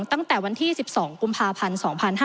ตั้งแต่วันที่๑๒กุมภาพันธ์๒๕๕๙